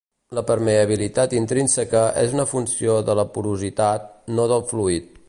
La permeabilitat intrínseca és una funció de la porositat, no del fluid.